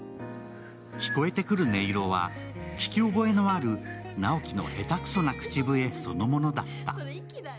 聞こえてくる音色は聞き覚えのある直木の下手くそな口笛そのものだった。